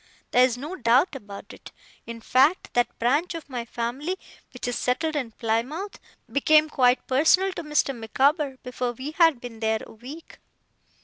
There is no doubt about it. In fact, that branch of my family which is settled in Plymouth became quite personal to Mr. Micawber, before we had been there a week.